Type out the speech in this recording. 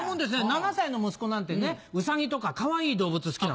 ７歳の息子なんてウサギとかかわいい動物好きなの。